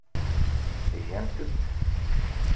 Gant-t.